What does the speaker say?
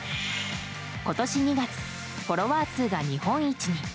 今年２月フォロワー数が日本一に。